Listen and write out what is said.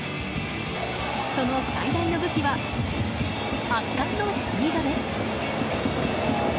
その最大の武器は圧巻のスピードです。